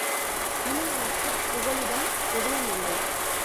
இனி எனக்குப் புகலிடம் எதுவுமில்லை.